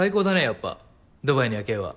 やっぱドバイの夜景は。